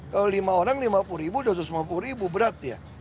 kalau lima orang lima puluh ribu dua ratus lima puluh ribu berat ya